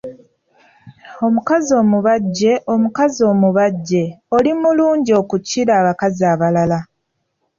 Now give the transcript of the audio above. Omukazi omubajje, omukazi omubajje Oli mulungi okukira abakazi abalala.